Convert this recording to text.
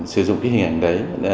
sử dụng cái hình ảnh đấy